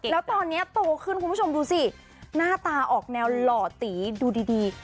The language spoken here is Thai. แล้วตอนนี้โตขึ้นคุณผู้ชมดูสิหน้าตาออกแนวหล่อตีดูดี